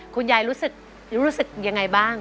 คุณยายรู้สึกยังไงบ้าง